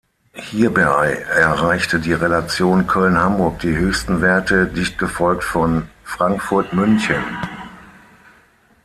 Hierbei erreichte die Relation Köln−Hamburg die höchsten Werte, dicht gefolgt von Frankfurt−München.